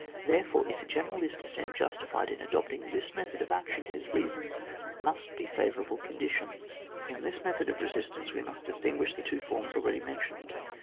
Therefore, if a general is to stand justified in adopting this method of action, his reasons must be favourable conditions. In this method of resistance we must distinguish the two forms already men tioned.